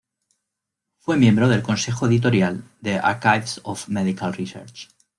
Fue miembro del consejo editorial de "Archives of Medical Research".